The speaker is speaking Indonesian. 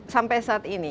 sampai saat ini